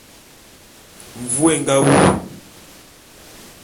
Mvu é nga wu.